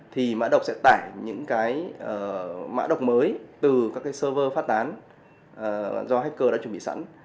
thì mã độc sẽ tải những cái mã độc mới từ các cái server phát tán do hacker đã chuẩn bị sẵn